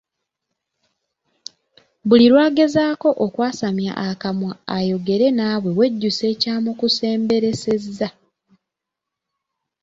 Buli lwagezaako okwasamya akamwa ayogere naawe wejjusa ekyamukusemberesezza.